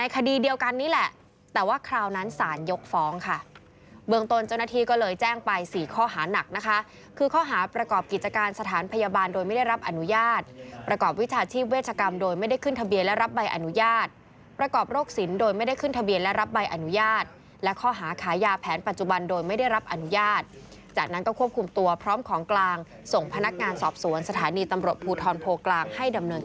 คือข้อหาประกอบกิจการสถานพยาบาลโดยไม่ได้รับอนุญาตประกอบวิชาชีพเวชกรรมโดยไม่ได้ขึ้นทะเบียนและรับใบอนุญาตประกอบโรคศิลป์โดยไม่ได้ขึ้นทะเบียนและรับใบอนุญาตและข้อหาขายาแผนปัจจุบันโดยไม่ได้รับอนุญาตจากนั้นก็ควบคุมตัวพร้อมของกลางส่งพนักงานสอบสวนสถานีตำรวจ